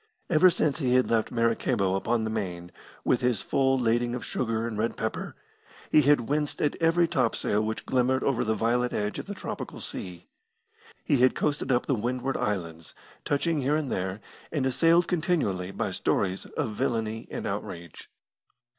Ever since he had left Maracaibo upon the Main, with his full lading of sugar and red pepper, he had winced at every topsail which glimmered over the violet edge of the tropical sea. He had coasted up the Windward Islands, touching here and there, and assailed continually by stories of villainy and outrage.